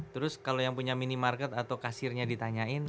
terus kalau yang punya mini market atau kasirnya ditanyain